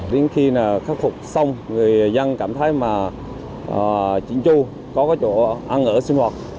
đến khi khắc phục xong người dân cảm thấy mà trịnh tru có chỗ ăn ở sinh hoạt